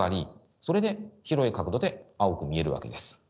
それで広い角度で青く見えるわけです。